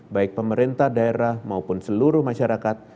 baik pemerintah daerah maupun seluruh masyarakat